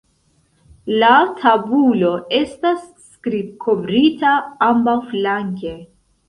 La tabulo estas skrib-kovrita ambaŭflanke.